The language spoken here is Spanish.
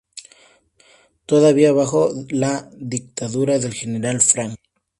Todavía bajo la dictadura del General Franco.